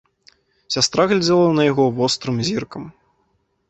Сястра глядзела на яго вострым зіркам.